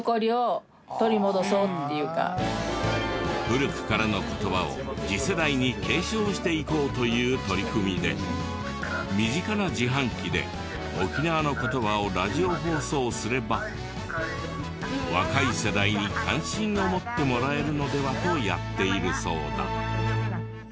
古くからの言葉を次世代に継承していこうという取り組みで身近な自販機で沖縄の言葉をラジオ放送すれば若い世代に関心を持ってもらえるのではとやっているそうだ。